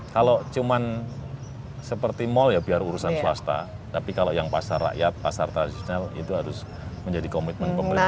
kalau cuma seperti mall ya biar urusan swasta tapi kalau yang pasar rakyat pasar tradisional itu harus menjadi komitmen pemerintah